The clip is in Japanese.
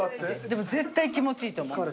でも絶対気持ちいいと思う。